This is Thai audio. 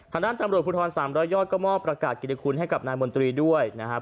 ด้านตำรวจภูทร๓๐๐ยอดก็มอบประกาศกิติคุณให้กับนายมนตรีด้วยนะครับ